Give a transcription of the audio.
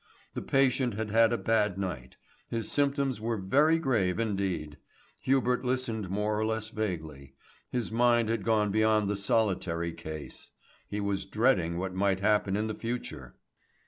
The patient had had a bad night; his symptoms were very grave indeed. Hubert listened more or less vaguely; his mind had gone beyond the solitary case. He was dreading what might happen in the future.